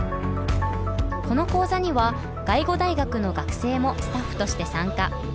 この講座には外語大学の学生もスタッフとして参加。